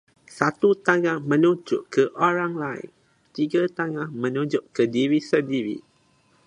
Satu tangan menunjuk ke orang lain, tiga tangan menunjuk ke diri sendiri